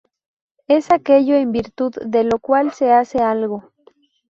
Es aquello en virtud de lo cual se hace algo.